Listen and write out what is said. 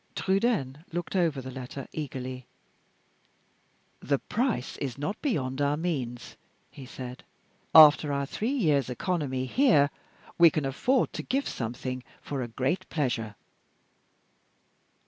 Trudaine looked over the letter eagerly. "The price is not beyond our means," he said. "After our three years' economy here, we can afford to give something for a great pleasure."